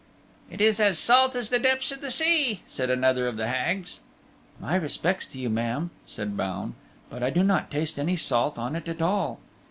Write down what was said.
"It is as salt as the depths of the sea," said another of the Hags. "My respects to you, ma'am," said Baun, "but I do not taste any salt on it at all."